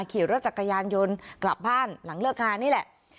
ขี่รถจักรยานยนต์กลับบ้านหลังเลิกงานนี่แหละ